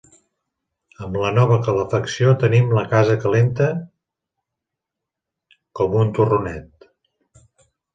Amb la nova calefacció, tenim la casa calenta com un torronet.